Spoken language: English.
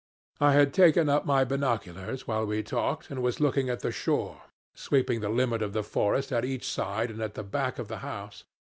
... I had taken up my binoculars while we talked and was looking at the shore, sweeping the limit of the forest at each side and at the back of the house.